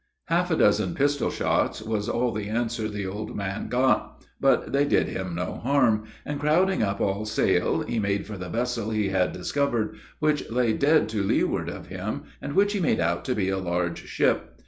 Half a dozen pistol shots was all the answer the old man got, but they did him no harm; and, crowding up all sail, he made for the vessel he had discovered, which lay dead to leeward of him, and which he made out to be a large ship.